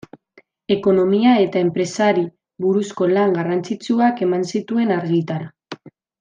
Ekonomia eta enpresari buruzko lan garrantzitsuak eman zituen argitara.